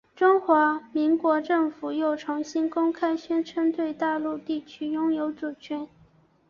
中华民国政府又重新公开宣称对大陆地区拥有主权。